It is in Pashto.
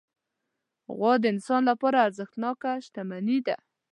غوا د انسان لپاره ارزښتناکه شتمني ده.